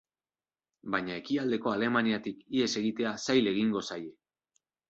Baina Ekialdeko Alemaniatik ihes egitea zail egingo zaie.